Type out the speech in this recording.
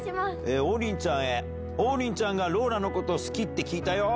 王林ちゃんへ、王林ちゃんがローラのこと好きって聞いたよ。